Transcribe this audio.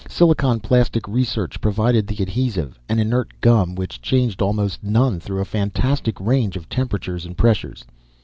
Silicon plastic research provided the adhesive, an inert gum which changed almost none through a fantastic range of temperatures and pressures.